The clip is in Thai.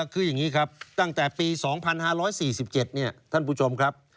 คืออย่างนี้ครับตั้งแต่ปี๒๕๔๗ท่านผู้ชมครับ